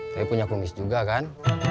saya punya komis juga kan